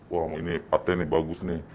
wah ini paten bagus nih